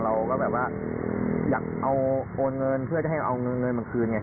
เราก็แบบว่าอยากเอาโอนเงินเพื่อจะให้เอาเงินมาคืนไง